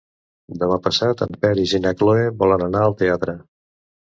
Demà passat en Peris i na Cloè volen anar al teatre.